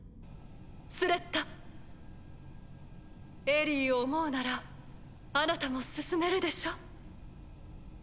スレッタエリィを思うならあなたも進めるでしょ？